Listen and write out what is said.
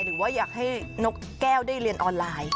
หรือว่าอยากให้นกแก้วได้เรียนออนไลน์